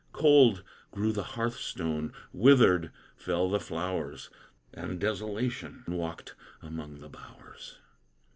Cold grew the hearthstone, withered fell the flowers, And desolation walked among the bowers.